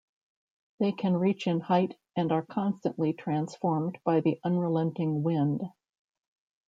They can reach in height and are constantly transformed by the unrelenting wind.